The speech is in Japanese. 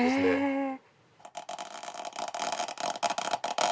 へえ。